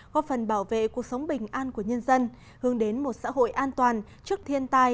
góp phần bảo vệ cuộc sống bình an của nhân dân hướng đến một xã hội an toàn trước thiên tai